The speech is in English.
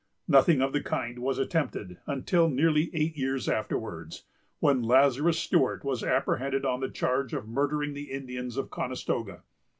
Nothing of the kind was attempted until nearly eight years afterwards, when Lazarus Stewart was apprehended on the charge of murdering the Indians of Conestoga.